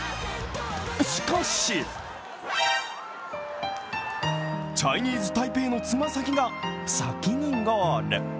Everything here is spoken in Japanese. しかしチャイニーズ・タイペイの爪先が先にゴール。